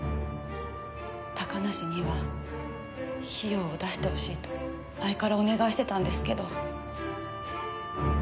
高梨には費用を出してほしいと前からお願いしてたんですけど。